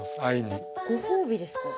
藍にご褒美ですか？